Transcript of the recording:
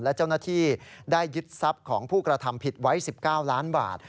และเจ้าหน้าที่ได้ยึดทรัพย์ของผู้กระทำผิดไว้๑๙ล้านบาท